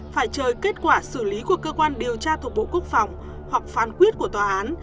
phải chờ kết quả xử lý của cơ quan điều tra thuộc bộ quốc phòng hoặc phán quyết của tòa án